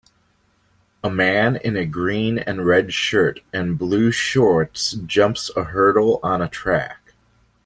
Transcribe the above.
A man in a green and red shirt and blue shorts jumps a hurdle on a track.